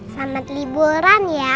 selamat liburan ya